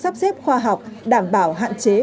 sắp xếp khoa học đảm bảo hạn chế